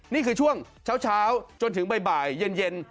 นี่คือช่วงเช้าจนถึงบ่ายเย็น